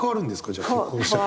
じゃあ結婚したら。